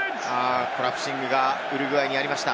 コラプシングがウルグアイにありました。